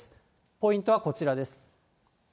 ポイントはこちらです。